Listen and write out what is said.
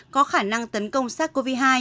có khả năng tấn công sars cov hai